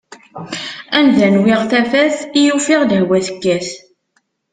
Anda nwiɣ tafat, i ufiɣ lehwa tekkat.